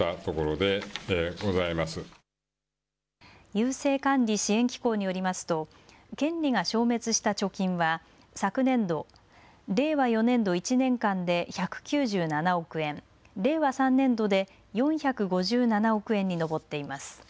郵政管理・支援機構によりますと権利が消滅した貯金は昨年度令和４年度１年間で１９７億円、令和３年度で４５７億円に上っています。